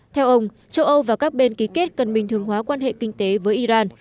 theo ông châu âu và các bên ký kết cần bình thường hóa quan hệ kinh tế với iran